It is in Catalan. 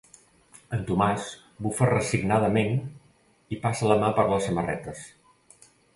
El Tomàs bufa resignadament i passa la mà per les samarretes.